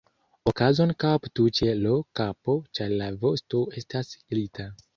Okazon kaptu ĉe l' kapo, ĉar la vosto estas glita.